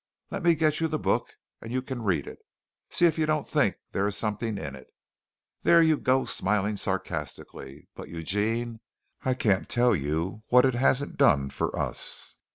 Let me get you the book and you can read it. See if you don't think there is something in it. There you go smiling sarcastically, but, Eugene, I can't tell you what it hasn't done for us.